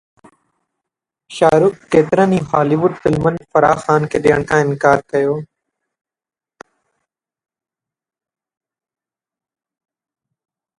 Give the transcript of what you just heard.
شاهه رخ ڪيترن ئي هالي ووڊ فلمن فرح خان کي ڏيڻ کان انڪار ڪيو